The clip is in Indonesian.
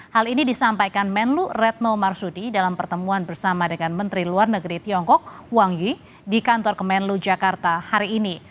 hal ini disampaikan menlu retno marsudi dalam pertemuan bersama dengan menteri luar negeri tiongkok huang yi di kantor kemenlu jakarta hari ini